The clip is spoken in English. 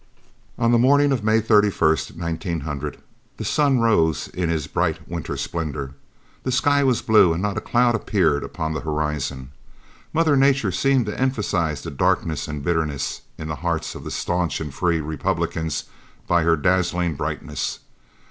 On the morning of May 31st, 1900, the sun rose in his bright winter splendour the sky was blue, and not a cloud appeared upon the horizon. Mother Nature seemed to emphasise the darkness and bitterness in the hearts of the staunch and free Republicans by her dazzling brightness.